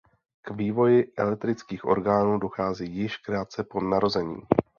K vývoji elektrických orgánů dochází již krátce po narození.